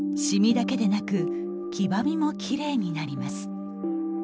シミだけでなく黄ばみもきれいになります。